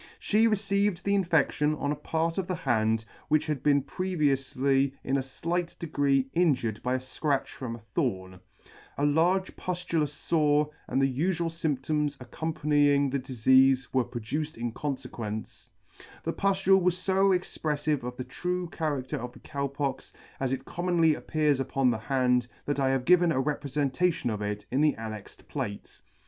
She received the infedlion on a part of the hand which had been previoufly in a flight degree injured by a fcratch from a thorn. A large puffulous fore and the ufual fymptoms accompanying * C 29 1 accompanying the difeafe were produced in confequence. The puftule was fo expreflive of the true character of the Cow Pox, as it commonly appears upon the hand, that I have given a reprefentation of it in the annexed plate.